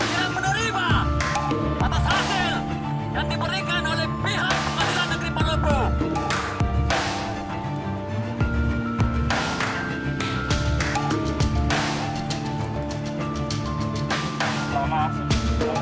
yang diberikan oleh pihak kepala negeri pernambu